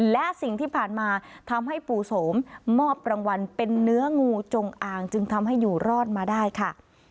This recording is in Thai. และสิ่งที่ผ่านมาทำให้ปู่โสมมอบรางวัลเป็นเนื้องูจงอางจึงทำให้อยู่รอดมาได้ค่ะ